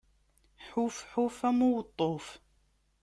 Ḥuf, ḥuf, am uweṭṭuf!